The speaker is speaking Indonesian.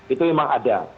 itu memang ada